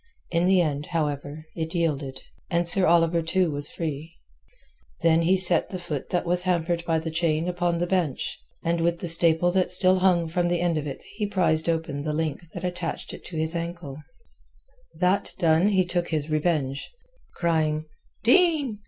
In the end, however, it yielded, and Sir Oliver too was free. Then he set the foot that was hampered by the chain upon the bench, and with the staple that still hung from the end of it he prised open the link that attached it to his anklet. That done he took his revenge. Crying "Din!"